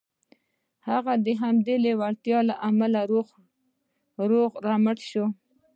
هغه د همدې لېوالتیا له امله روغ رمټ شو